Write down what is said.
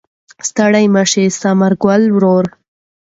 ستړی مه شې ثمر ګله وروره.